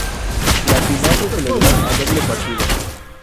La final se celebró a doble partido.